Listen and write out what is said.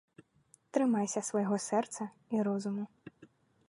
Трымайся свайго сэрца і розуму.